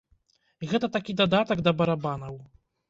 Гэта такі дадатак да барабанаў.